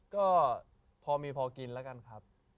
ก็พอมีพอกินแล้วกันครับ